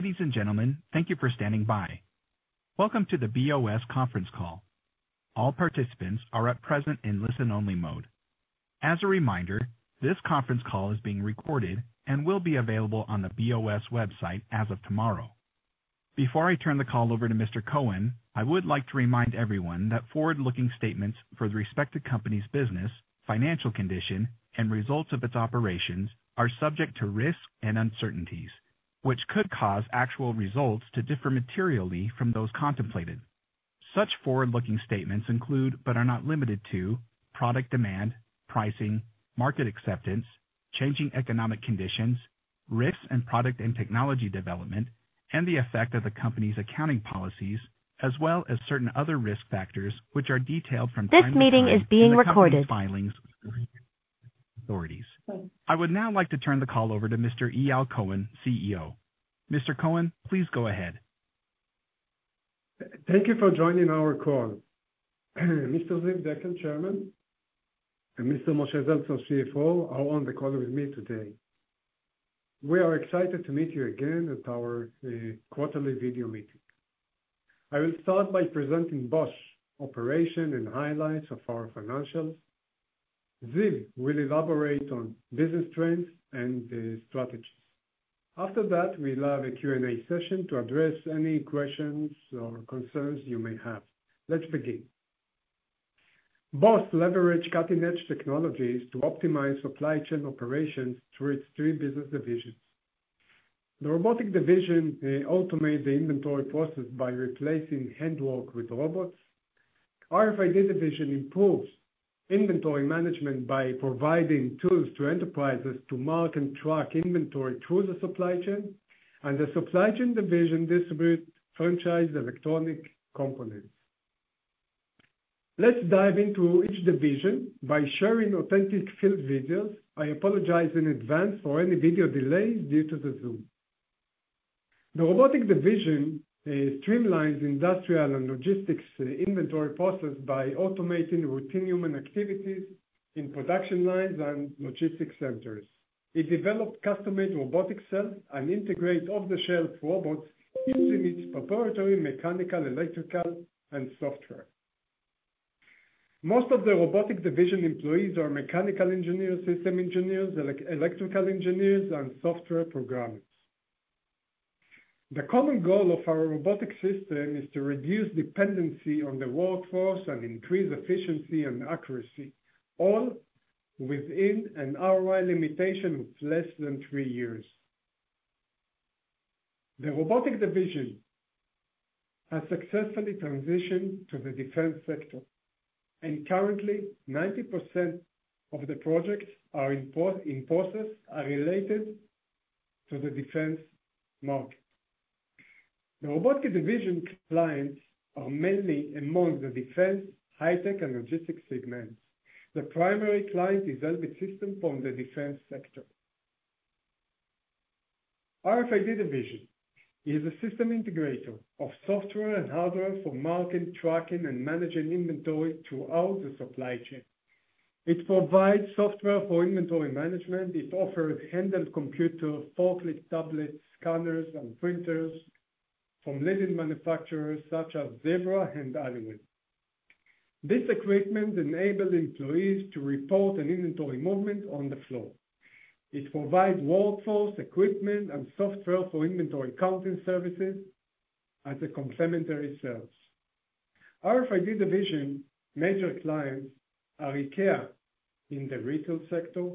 Ladies and gentlemen, thank you for standing by. Welcome to the BOS conference call. All participants are at present in listen-only mode. As a reminder, this conference call is being recorded and will be available on the BOS website as of tomorrow. Before I turn the call over to Mr. Cohen, I would like to remind everyone that forward-looking statements for the respective company's business, financial condition, and results of its operations are subject to risks and uncertainties, which could cause actual results to differ materially from those contemplated. Such forward-looking statements include, but are not limited to, product demand, pricing, market acceptance, changing economic conditions, risks and product and technology development, and the effect of the company's accounting policies, as well as certain other risk factors, which are detailed from time to time- This meeting is being recorded. In the company's filings with authorities. I would now like to turn the call over to Mr. Eyal Cohen, CEO. Mr. Cohen, please go ahead. Thank you for joining our call. Mr. Ziv Dekel, Chairman, and Mr. Moshe Zeltzer, our CFO, are on the call with me today. We are excited to meet you again at our quarterly video meeting. I will start by presenting BOS operation and highlights of our financials. Ziv will elaborate on business trends and strategies. After that, we'll have a Q&A session to address any questions or concerns you may have. Let's begin. BOS leverage cutting-edge technologies to optimize supply chain operations through its three business divisions. The Robotics Division automate the inventory process by replacing hand work with robots. RFID Division improves inventory management by providing tools to enterprises to mark and track inventory through the supply chain. The Supply Chain Division distributes franchised electronic components. Let's dive into each division by sharing authentic field videos. I apologize in advance for any video delay due to the Zoom. The Robotics Division streamlines industrial and logistics inventory process by automating routine human activities in production lines and logistics centers. It developed customized robotic cells and integrate off-the-shelf robots using its proprietary mechanical, electrical, and software. Most of the Robotics Division employees are mechanical engineers, system engineers, electrical engineers, and software programmers. The common goal of our robotic system is to reduce dependency on the workforce and increase efficiency and accuracy, all within an ROI limitation of less than three years. The Robotics Division has successfully transitioned to the defense sector, and currently, 90% of the projects in process are related to the defense market. The Robotics Division clients are mainly among the defense, high-tech, and logistics segments. The primary client is Elbit Systems from the defense sector. RFID Division is a system integrator of software and hardware for marking, tracking, and managing inventory throughout the supply chain. It provides software for inventory management. It offers handheld computer, forklift, tablets, scanners, and printers from leading manufacturers such as Zebra and Honeywell. This equipment enables employees to report an inventory movement on the floor. It provides workforce, equipment, and software for inventory counting services as a complimentary service. RFID Division major clients are IKEA in the retail sector,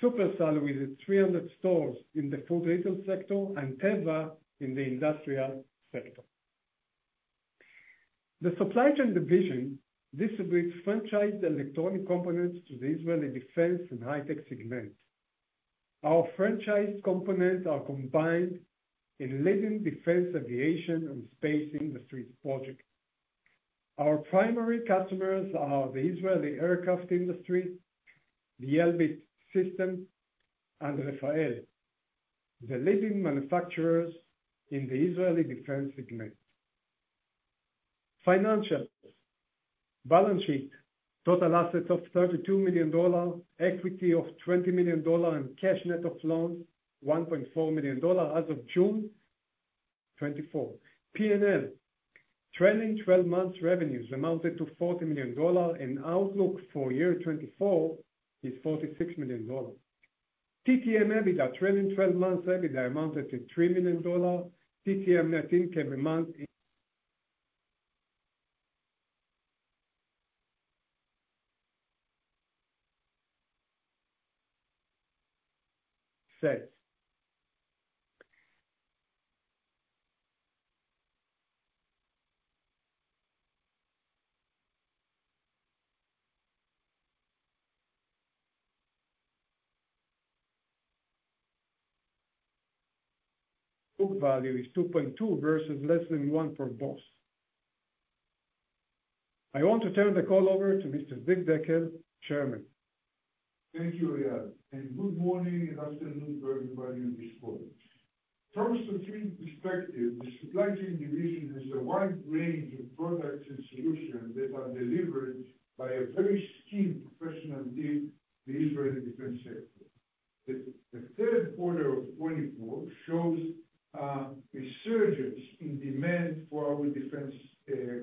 Supersal with 300 stores in the food retail sector, and Teva in the industrial sector. The Supply Chain Division distributes franchised electronic components to the Israeli Defense and high tech segment. Our franchise components are combined in leading defense, aviation, and space industries project. Our primary customers are the Israeli Aircraft Industry, Elbit Systems, and Rafael, the leading manufacturers in the Israeli Defense segment. Financial. Balance sheet. Total assets of $32 million, equity of $20 million, and cash net of loans, $1.4 million as of June 2024. P&L. Trailing 12 months revenues amounted to $40 million, and outlook for year 2024 is $46 million. TTM, EBITDA trailing 12 months, EBITDA amounted to $3 million. TTM net income amount is. Sales. Book value is $2.2 versus less than $1 per BOS. I want to turn the call over to Mr. Ziv Dekel, Chairman. Thank you, Eyal, and good morning and afternoon to everybody in this call. From strategic perspective, the Supply Chain Division has a wide range of products and solutions that are delivered by a very skilled professional in the Israeli Defense sector. The third quarter of 2024 shows a resurgence in demand for our defense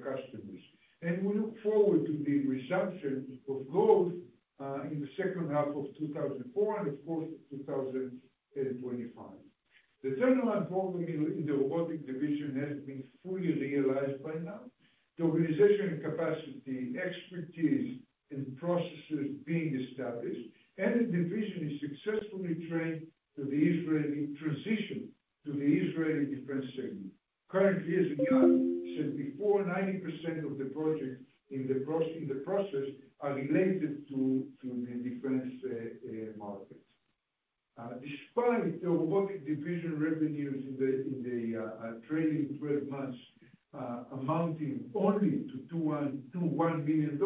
customers, and we look forward to the resumption of growth in the second half of 2024, and of course, 2025. The turnaround program in the Robotics Division has been fully realized by now. The organizational capacity, expertise, and processes being established, and the division is successfully transitioned to the Israeli Defense segment. Currently, as before, 90% of the projects in the process are related to the defense market. Despite the robotic division revenues in the trailing 12 months amounting only to $2.121 million,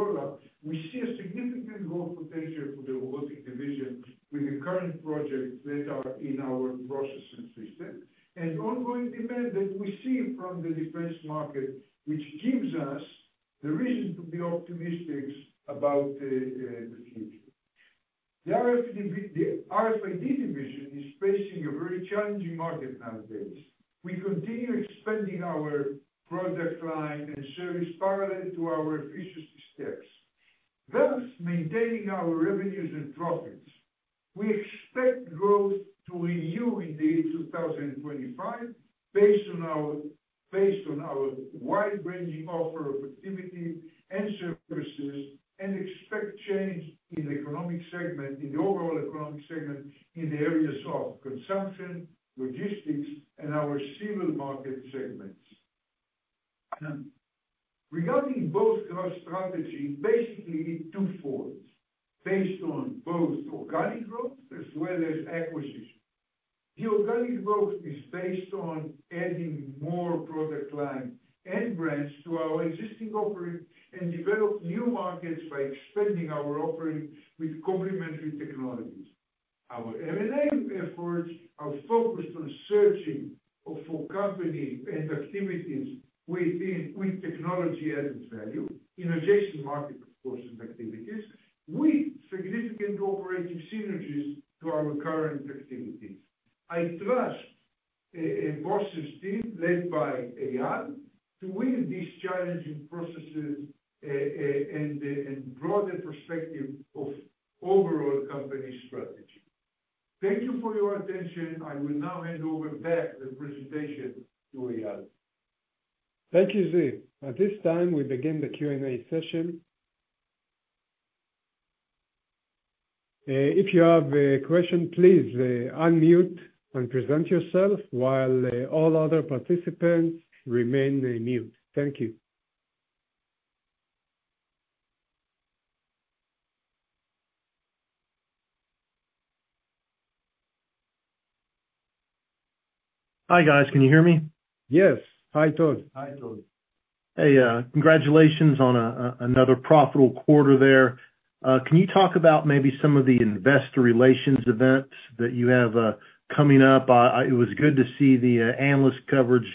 we see a significant growth potential for the robotic division with the current projects that are in our processing system, and ongoing demand that we see from the defense market, which gives us the reason to be optimistic about the future. The RFID Division is facing a very challenging market nowadays. We continue expanding our product line and service parallel to our efficiency steps, thus maintaining our revenues and profits. We expect growth to renew in the year 2025, based on our wide-ranging offer of activity and services, and expect change in the economic segment, in the overall economic segment, in the areas of consumption, logistics, and our civil market segments. Regarding both growth strategy, basically twofold, based on both organic growth as well as acquisition. The organic growth is based on adding more product lines and brands to our existing offering, and develop new markets by expanding our offering with complementary technologies. Our M&A efforts are focused on searching for companies and activities within, with technology added value, in adjacent markets of course, with significant cooperative synergies to our current activities. I trust BOS' team, led by Eyal, to win these challenging processes, and grow the prospects of overall company strategy. Thank you for your attention. I will now hand over back the presentation to Eyal. Thank you, Ziv. At this time, we begin the Q&A session. If you have a question, please, unmute and present yourself while all other participants remain mute. Thank you. Hi, guys, can you hear me? Yes. Hi, Todd. Hi, Todd. Hey, congratulations on another profitable quarter there. Can you talk about maybe some of the investor relations events that you have coming up? It was good to see the analyst coverage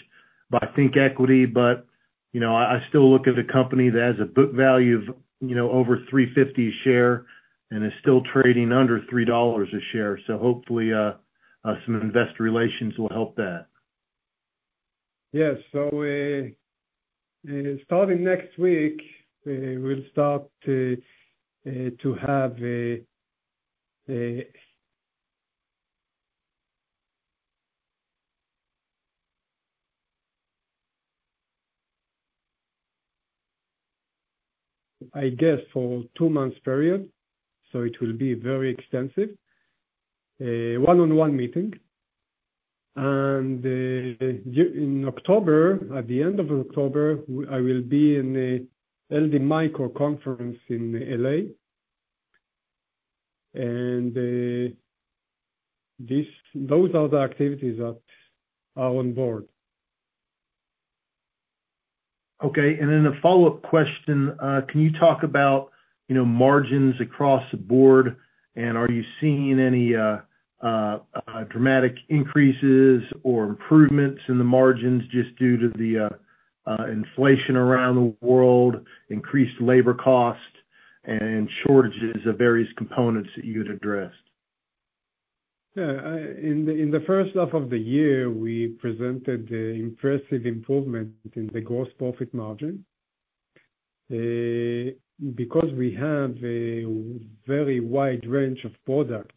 by ThinkEquity, but, you know, I still look at a company that has a book value of, you know, over $3.50 a share and is still trading under $3 a share. So hopefully some investor relations will help that. Yes. So, starting next week, we'll start to have a, I guess, for two months period, so it will be very extensive, one-on-one meeting. And, in October, at the end of October, I will be in a LD Micro Conference in L.A., and, those are the activities that are on board. Okay. And then a follow-up question, can you talk about, you know, margins across the board? And are you seeing any dramatic increases or improvements in the margins, just due to the inflation around the world, increased labor costs, and shortages of various components that you had addressed? Yeah, in the first half of the year, we presented a impressive improvement in the gross profit margin. Because we have a very wide range of products,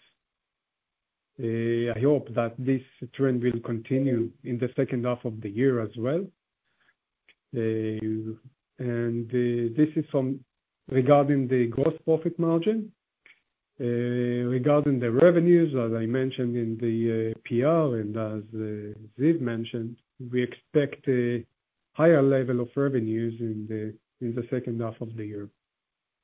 I hope that this trend will continue in the second half of the year as well. And this is regarding the gross profit margin. Regarding the revenues, as I mentioned in the PR, and as Ziv mentioned, we expect a higher level of revenues in the second half of the year.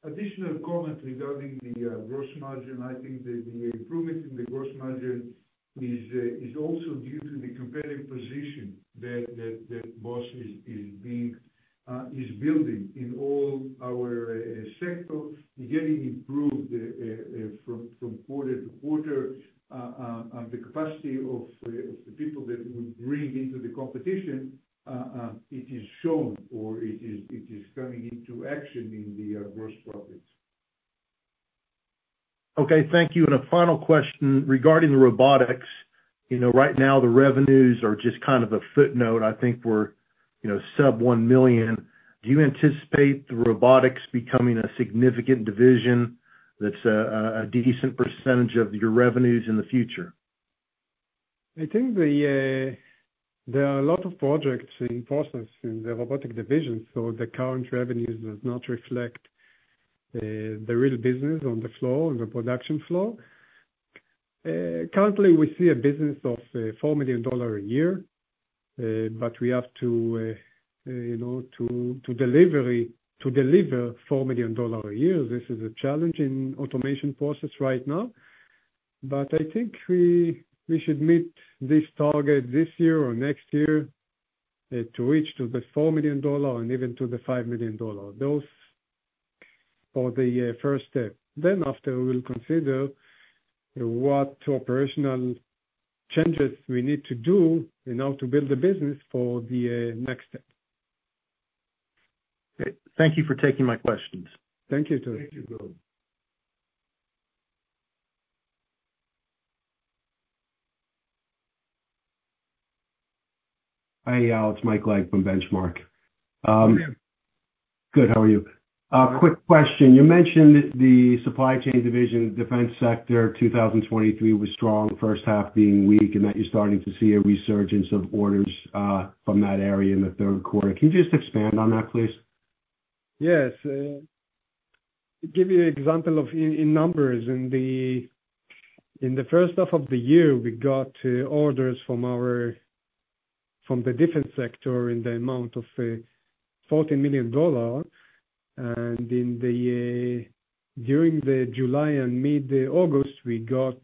Additional comment regarding the gross margin, I think the improvement in the gross margin is also due to the competitive position that BOS is building in all our sector. We're getting improved from quarter to quarter on the capacity of the people that we bring into the competition, it is shown or it is coming into action in the gross profit.... Okay, thank you. And a final question regarding the Robotics. You know, right now the revenues are just kind of a footnote. I think we're, you know, sub one million. Do you anticipate the Robotics becoming a significant division that's a decent percentage of your revenues in the future? I think there are a lot of projects in process in the Robotics Division, so the current revenues does not reflect the real business on the floor, on the production floor. Currently we see a business of $4 million a year, but we have to, you know, to deliver $4 million a year. This is a challenge in automation process right now. But I think we should meet this target this year or next year to reach the $4 million and even the $5 million. Those are the first step. Then, after, we'll consider what operational changes we need to do in order to build the business for the next step. Okay, thank you for taking my questions. Thank you too. Hi, yeah, it's Mike Legg from Benchmark. Good, how are you? Quick question. You mentioned the Supply Chain Division defense sector, 2023 was strong, first half being weak, and that you're starting to see a resurgence of orders from that area in the third quarter. Can you just expand on that, please? Yes. Give you an example of in numbers. In the first half of the year, we got orders from the defense sector in the amount of $40 million. And during July and mid-August, we got.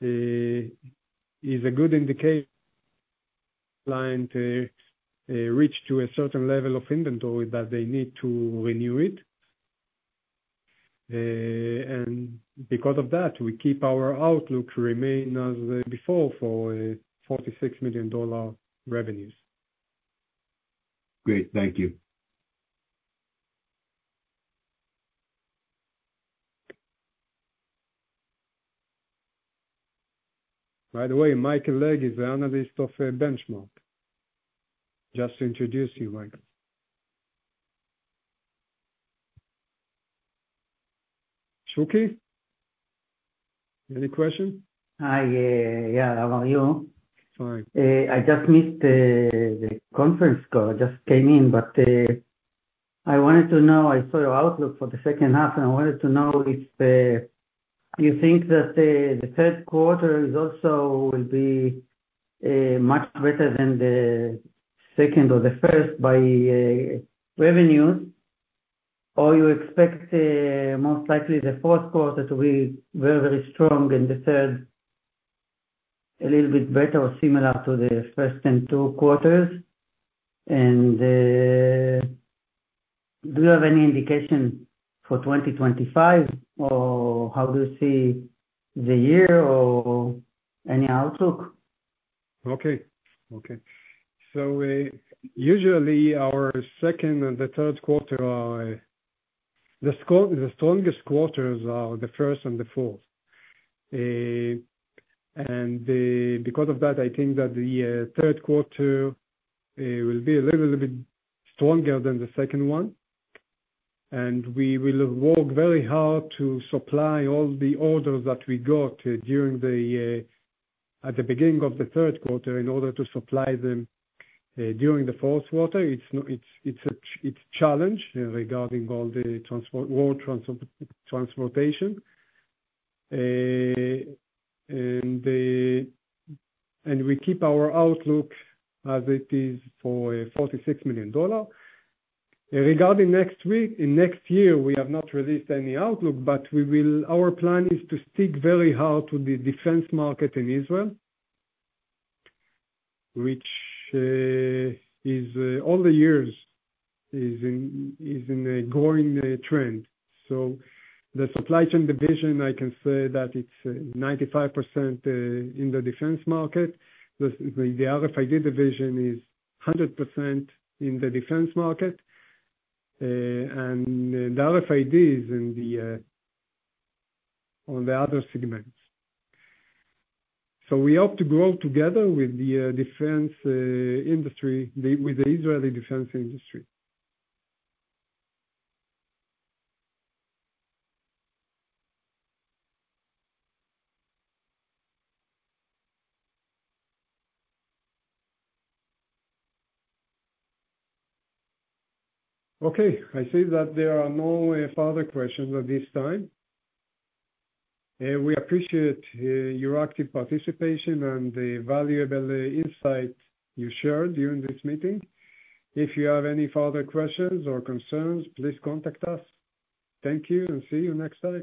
This is a good indication client reached to a certain level of inventory that they need to renew it. And because of that, we keep our outlook remain as before, for $46 million revenues. Great, thank you. By the way, Michael Legg is the analyst of Benchmark. Just to introduce you, Mike. Shuki, any question? Hi, yeah. How are you? Fine. I just missed the conference call. I just came in, but I wanted to know. I saw your outlook for the second half, and I wanted to know if you think that the third quarter is also will be much greater than the second or the first by revenue? Or you expect most likely the fourth quarter to be very, very strong, and the third a little bit better or similar to the first and two quarters, and do you have any indication for 2025, or how do you see the year or any outlook? Okay. Usually our second and the third quarter are the strongest quarters are the first and the fourth. And because of that, I think that the third quarter will be a little bit stronger than the second one. And we will work very hard to supply all the orders that we got during the at the beginning of the third quarter, in order to supply them during the fourth quarter. It's a challenge regarding all the world transportation. And we keep our outlook as it is for $46 million. Regarding next week, in next year, we have not released any outlook, but we will, our plan is to stick very hard to the defense market in Israel, which is all the years in a growing trend. So the Supply Chain Division, I can say that it's 95% in the defense market. The RFID Division is 100% in the defense market, and the RFID is in the other segments. So we hope to grow together with the defense industry, with the Israeli Defense industry. Okay, I see that there are no further questions at this time. We appreciate your active participation and the valuable insight you shared during this meeting. If you have any further questions or concerns, please contact us. Thank you, and see you next time.